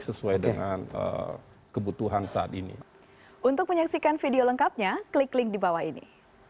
sesuai dengan kebutuhan saat ini